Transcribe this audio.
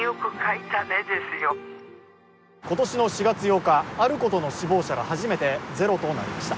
今年の４月８日、あることの死亡者が初めてゼロとなりました。